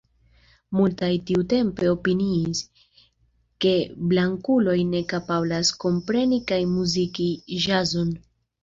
Multaj tiutempe opiniis, ke blankuloj ne kapablas kompreni kaj muziki ĵazon.